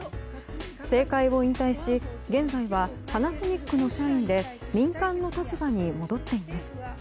政界を引退し現在はパナソニックの社員で民間の立場に戻っています。